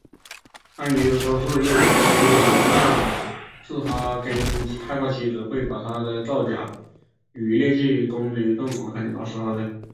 但也有人说是由于梅纳茨哈根害怕妻子会把他的造假与劣迹公之于众而开枪杀死她的。